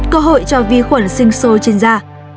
cơ hội cho vi khuẩn sinh sôi trên da